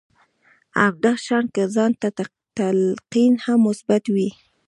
همدا شان که ځان ته تلقين هم مثبت وي.